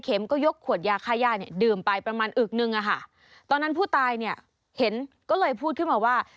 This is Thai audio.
ตอนนั้นผู้ตายเห็นก็เลยพูดขึ้นมาว่า